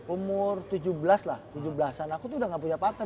umur tujuh belas lah tujuh belas an aku tuh udah gak punya partner